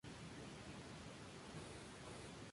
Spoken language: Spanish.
Es una balada acústica tranquila cantada por David Gilmour.